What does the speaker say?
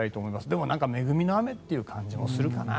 でも恵みの雨という感じもするかな。